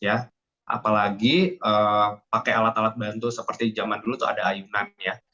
apalagi pakai alat alat bantu seperti zaman dulu tuh ada ayunan ya